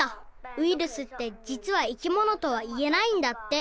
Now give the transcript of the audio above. ウイルスってじつは生きものとは言えないんだって。